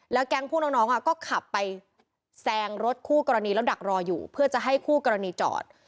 แก๊งพวกน้องก็ขับไปแซงรถคู่กรณีแล้วดักรออยู่เพื่อจะให้คู่กรณีจอด